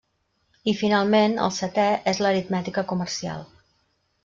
I, finalment, el setè és l'aritmètica comercial.